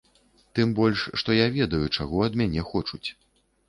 Тым больш што я ведаю, чаго ад мяне хочуць.